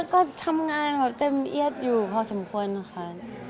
ก็ทำงานเขาเต็มเอียดอยู่พอสมควรค่ะ